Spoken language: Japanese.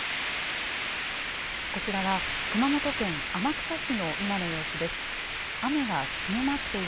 こちらは、熊本県天草市の今の様子です。